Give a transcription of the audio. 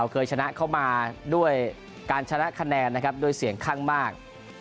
เข้ามาด้วยการชนะคะแนนนะครับโดยเสี่ยงขั้งมาก